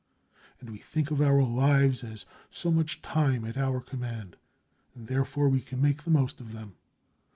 And we think of our lives as so much time at our command, and therefore we can make the most of them.